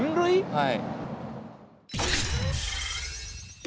はい。